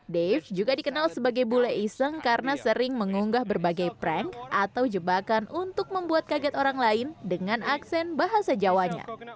dave juga dikenal sebagai bule iseng karena sering mengunggah berbagai prank atau jebakan untuk membuat kaget orang lain dengan aksen bahasa jawanya